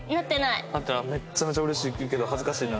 めちゃめちゃうれしいけど恥ずかしいな。